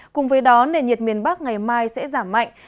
cùng với đó nền nhiệt miền bắc ngày mai sẽ giảm mạnh